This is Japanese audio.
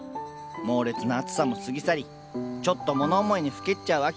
猛烈な暑さも過ぎ去りちょっと物思いにふけっちゃう秋。